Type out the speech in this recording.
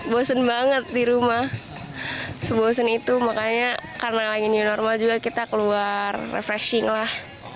bosen banget di rumah sebosen itu makanya karena lagi new normal juga kita keluar refreshing lah